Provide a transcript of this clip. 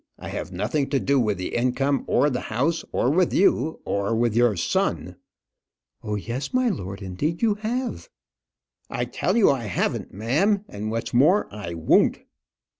I have nothing to do with the income, or the house, or with you, or with your son." "Oh, yes, my lord, indeed you have." "I tell you I haven't, ma'am; and what's more, I won't."